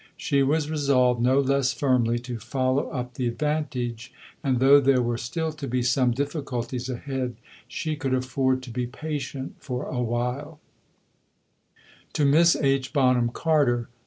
She was resolved no less firmly to follow up the advantage; and, though there were still to be some difficulties ahead, she could afford to be patient for a while: (_To Miss H. Bonham Carter.